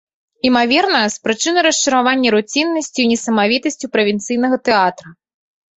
Імаверна, з прычыны расчаравання руціннасцю і несамавітасцю правінцыйнага тэатра.